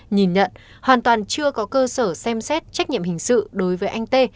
nhìn nhận hoàn toàn chưa có cơ sở xem xét trách nhiệm hình sự đối với anh tê